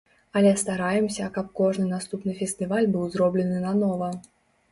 Але стараемся, каб кожны наступны фестываль быў зроблены нанова.